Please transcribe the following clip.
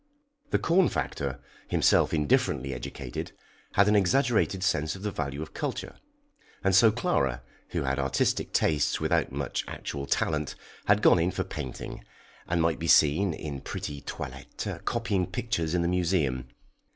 The corn factor, himself indifferently educated, had an exaggerated sense of the value of culture, and so Clara, who had artistic tastes without much actual talent, had gone in for painting, and might be seen, in pretty toilettes, copying pictures in the Museum.